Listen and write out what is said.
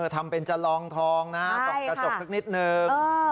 ทำเป็นจะลองทองนะส่องกระจกสักนิดนึง